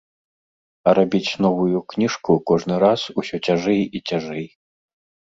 А рабіць новую кніжку кожны раз усё цяжэй і цяжэй.